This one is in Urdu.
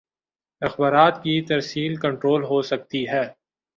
اخبارات کی ترسیل کنٹرول ہو سکتی ہے۔